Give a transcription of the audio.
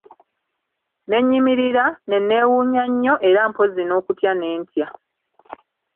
Ne nnyimirira, ne neewuunya nnyo era mpozzi n'okutya ne ntya.